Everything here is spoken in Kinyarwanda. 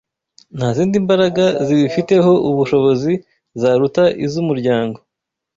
nta zindi mbaraga zibifiteho ubushobozi zaruta iz’umuryango